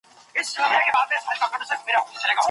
وچکالي د افغانستان لویه ستونزه ده.